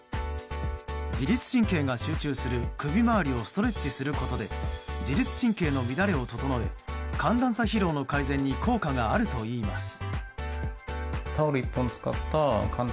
自律神経が集中する首周りをストレッチすることで自律神経の乱れを整え寒暖差疲労の改善に効果があるといいます。